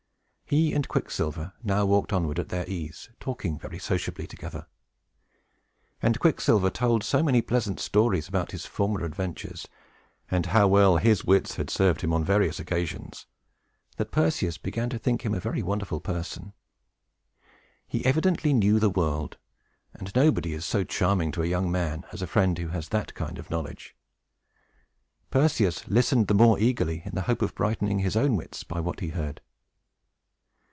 He and Quicksilver now walked onward at their ease, talking very sociably together; and Quicksilver told so many pleasant stories about his former adventures, and how well his wits had served him on various occasions, that Perseus began to think him a very wonderful person. He evidently knew the world; and nobody is so charming to a young man as a friend who has that kind of knowledge. Perseus listened the more eagerly, in the hope of brightening his own wits by what he heard.